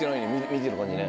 見てる感じね。